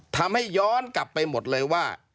ทำให้ย้อนกลับไปหมดเลยว่า